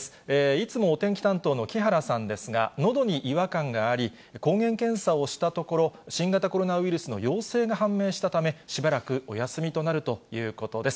いつもお天気担当の木原さんですが、のどに違和感があり、抗原検査をしたところ、新型コロナウイルスの陽性が判明したため、しばらくお休みとなるということです。